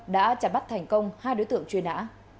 đã trả bắt thành công hai đối tượng truyền ả